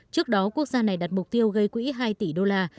trước đó quốc gia này đặt mục tiêu gây quỹ hai tỷ đô la